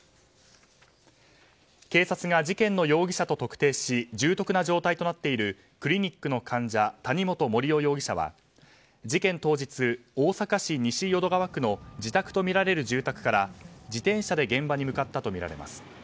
警察が事件の容疑者と特定し、重篤な状態となっているクリニックの患者谷本盛雄容疑者は事件当日、大阪市西淀川区の自宅とみられる住宅から自転車で現場に向かったとみられます。